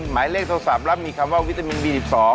หมายเลขโทรศัพท์รับมีคำว่าวิตามินบี๑๒